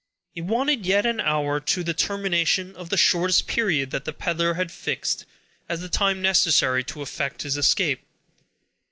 It wanted yet an hour to the termination of the shortest period that the peddler had fixed as the time necessary to effect his escape.